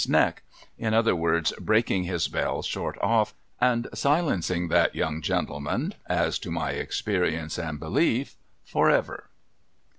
's neck — in other words, breaking his bell short off — and silencing that young gentleman, as to my experience and beUef, for ever.